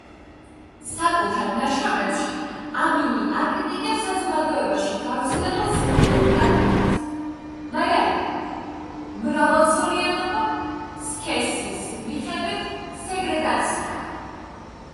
საკუთარ ნაშრომებში ამინი აკრიტიკებს საზოგადოებაში გავრცელებულ ზოგიერთ პრაქტიკას, მაგალითად მრავალცოლიანობა, სქესის მიხედვით სეგრეგაცია.